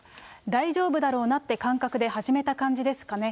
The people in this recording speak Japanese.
大丈夫だろうなって感覚で始めた感じですかね。